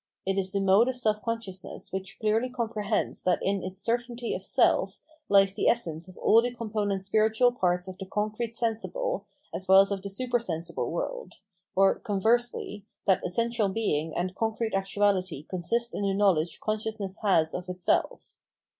It is the mode of self consciousness which clearly comprehends that in its certainty of self lies the essence of all the component spiritual parts of the concrete sensible as well as of the supersensible world, or, conversely, that essential being and concrete actu ality consist in the knowledge consciousness has of itself.